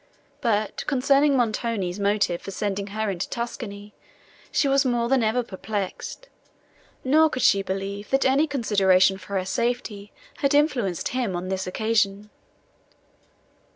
But, concerning Montoni's motive for sending her into Tuscany, she was more than ever perplexed, nor could she believe that any consideration for her safety had influenced him on this occasion.